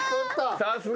さすが。